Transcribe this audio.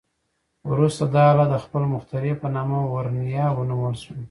وروسته دا آله د خپل مخترع په نامه "ورنیه" ونومول شوه.